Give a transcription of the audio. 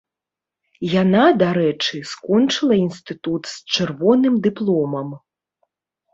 Яна, дарэчы, скончыла інстытут з чырвоным дыпломам.